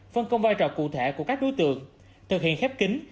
phân công vai trò cụ thể của các đối tượng thực hiện khép kính